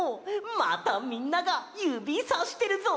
またみんながゆびさしてるぞ！